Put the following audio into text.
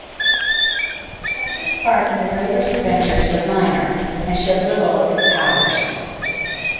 Rex's part in the Ravers adventures was minor, and showed little of his powers.